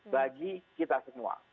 bagi kita semua